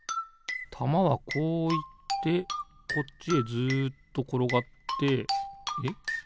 たまはこういってこっちへずっところがってえっ